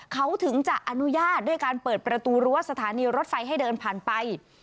เขาถึงจะอนุญาตด้วยการเปิดประตูรั้วสถานีรถไฟให้เดินผ่านไป